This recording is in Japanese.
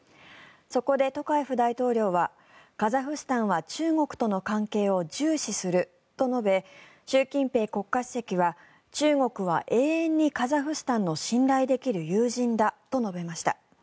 そこでトカエフ大統領はカザフスタンは中国との関係を重視すると述べ習近平国家主席は中国は永遠にカザフスタンの信頼できる友人だと述べました。